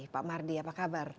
pak mardi apa kabar